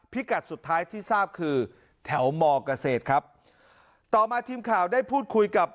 กัดสุดท้ายที่ทราบคือแถวมเกษตรครับต่อมาทีมข่าวได้พูดคุยกับ